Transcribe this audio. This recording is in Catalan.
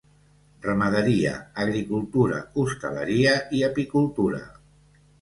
Ramaderia, agricultura, hostaleria i apicultura.